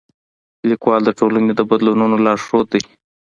لیکوال د ټولنې د بدلونونو لارښود دی.